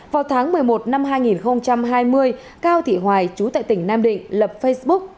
vào tháng một mươi một năm hai nghìn hai mươi cao thị hoài chú tại tỉnh nam định lập facebook